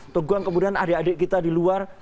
peguang kemudian adik adik kita di luar